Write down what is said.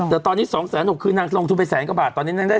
แต่ตอนนี้๒๖๐๐คือนางลงทุนไปแสนกว่าบาทตอนนี้นางได้